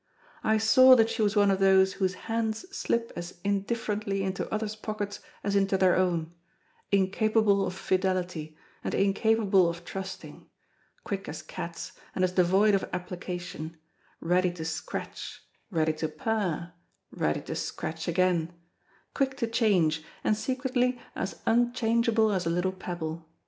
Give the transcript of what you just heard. I saw that she was one of those whose hands slip as indifferently into others' pockets as into their own; incapable of fidelity, and incapable of trusting; quick as cats, and as devoid of application; ready to scratch, ready to purr, ready to scratch again; quick to change, and secretly as unchangeable as a little pebble.